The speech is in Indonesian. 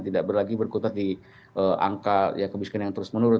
tidak lagi berkutat di angka kemiskinan yang terus menurun